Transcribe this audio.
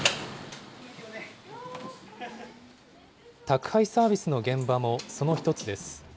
宅配サービスの現場もその一つです。